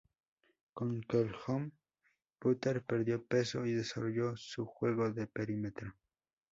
Con Calhoun, Butler perdió peso y desarrolló su juego de perímetro.